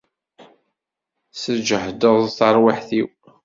Tesǧehdeḍ tarwiḥt-iw.